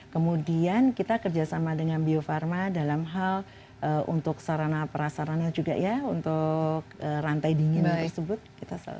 kemudian kita kerjasama dengan bio farma dalam hal untuk sarana prasarana juga ya untuk rantai dingin tersebut